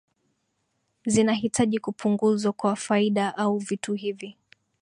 zinahitaji kupunguzwa kwa faida ua vitu hivi